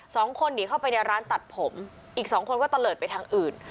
สองคนหนีเข้าไปในร้านตัดผมอีกสองคนก็ตะเลิศไปทางอื่น